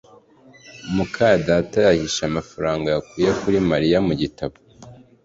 muka data yahishe amafaranga yakuye kuri Mariya mu gitabo